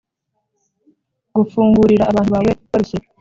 Gufungurira abantu bawe barushye